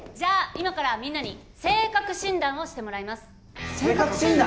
今からみんなに性格診断をしてもらいます性格診断？